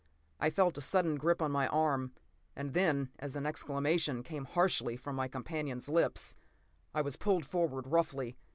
I felt a sudden grip on my arm; and then, as an exclamation came harshly from my companion's lips, I was pulled forward roughly.